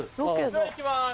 じゃあいきます